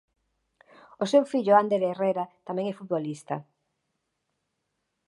O seu fillo Ander Herrera tamén e futbolista.